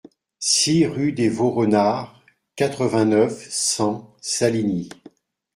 six rue des Vaux Renards, quatre-vingt-neuf, cent, Saligny